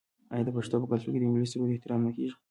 آیا د پښتنو په کلتور کې د ملي سرود احترام نه کیږي؟